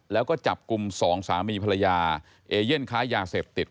แล้วก็จับกลุ่มสองสามีภรรยาเอเย่นค้ายาเสพติด